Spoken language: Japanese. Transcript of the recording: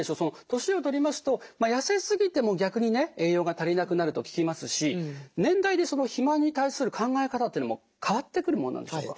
年をとりますと痩せすぎても逆にね栄養が足りなくなると聞きますし年代で肥満に対する考え方というのも変わってくるものなんでしょうか？